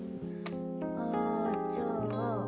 あじゃあ。